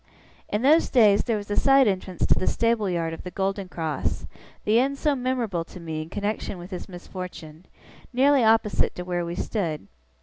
In those days there was a side entrance to the stable yard of the Golden Cross, the inn so memorable to me in connexion with his misfortune, nearly opposite to where we stood.